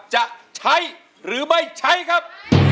จะใช้หรือไม่ใช้ครับ